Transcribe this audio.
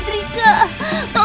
jangan sakiti aku